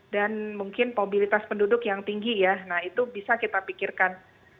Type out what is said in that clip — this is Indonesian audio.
dan mungkin mobilitas penduduk yang tinggi ya nah itu bisa kita pikirkan